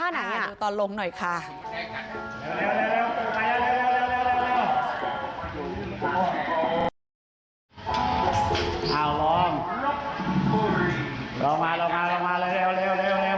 อ้าวลองลองมาลองมาลองมาเลยเร็วเร็วเร็วเร็ว